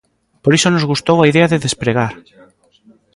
Por iso nos gustou a idea de despregar.